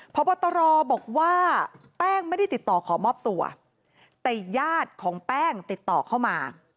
พบตรบอกว่าแป้งไม่ได้ติดต่อขอมอบตัวแต่ญาติของแป้งติดต่อเข้ามา